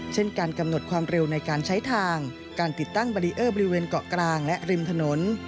เช่นการกำหนดความเร็วในการใช้ทางการติดตั้งบารีเออร์บริเวณเกาะกลางและริมถนน